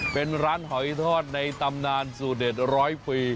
เป็นร้านหอยทอดในตำนานสูตรเด็ดร้อยปี